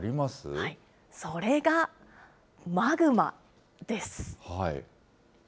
それがマグマです。